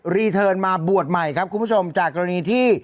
รีเทิร์นมาบวชใหม่ครับคุณผู้ชมจากกรณีที่